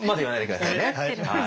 はい。